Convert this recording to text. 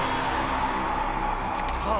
さあ